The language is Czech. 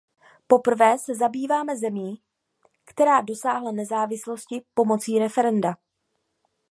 Poprvé se zabýváme zemí, která dosáhla nezávislosti pomocí referenda.